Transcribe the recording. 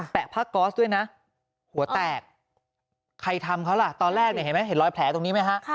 แปะพลักษณ์ก๊อสด้วยนะหัวแตกใครทำเขาล่ะตอนแรกเห็นไหมรอยแผลตรงนี้ไหมฮะ